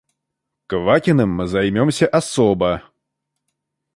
Квакиным мы займемся особо.